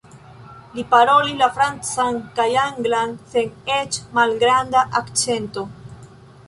Li parolis la francan kaj anglan sen eĉ malgranda akĉento.